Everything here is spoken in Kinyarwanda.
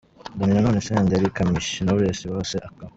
Dany Nanone , Senderi, Kamichi, Knowless bose akaba.